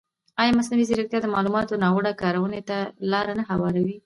ایا مصنوعي ځیرکتیا د معلوماتو ناوړه کارونې ته لاره نه هواروي؟